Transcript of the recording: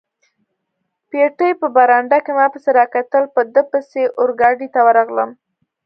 پېټی په برنډه کې ما پسې را کتل، په ده پسې اورګاډي ته ورغلم.